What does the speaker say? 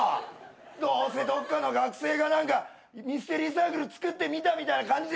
どうせどっかの学生が何かミステリーサークル作ってみたみたいな感じでやってんだろこれ。